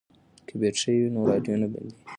که بیټرۍ وي نو راډیو نه بندیږي.